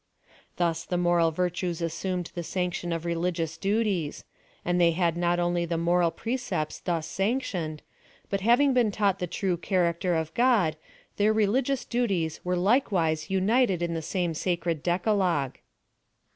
Thus the moral virtues assumed the sanction of religious duties ; and they had not only the moral precepts thus sanctioned, but having been taught the true character of God, their relio:ious duties were like wise imited in the same sacred decalogue.